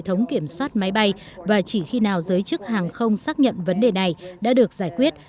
hệ thống kiểm soát máy bay và chỉ khi nào giới chức hàng không xác nhận vấn đề này đã được giải quyết